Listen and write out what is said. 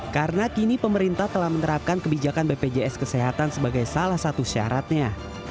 karena kini pemerintah telah menerapkan kebijakan bpjs kesehatan sebagai salah satu syaratnya